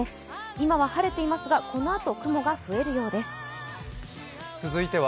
今は晴れていますがこのあと雲が増えるようです。